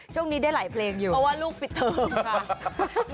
ช่วงนี้ได้หลายเพลงอยู่เพราะว่าลูกปิดเทิมค่ะ